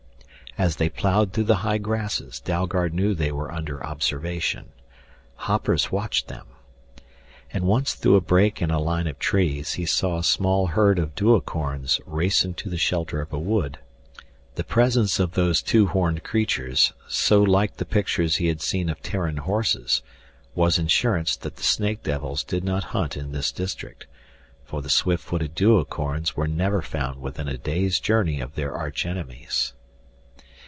As they plowed through the high grasses Dalgard knew they were under observation. Hoppers watched them. And once through a break in a line of trees he saw a small herd of duocorns race into the shelter of a wood. The presence of those two horned creatures, so like the pictures he had seen of Terran horses, was insurance that the snake devils did not hunt in this district, for the swift footed duocorns were never found within a day's journey of their archenemies.